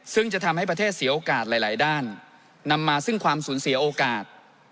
ซึ่งจะทำให้ประเทศเสียโอกาสหลายด้านนำมาซึ่งความสูญเสียโอกาส